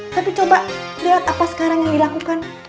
tapi coba lihat apa sekarang yang dilakukan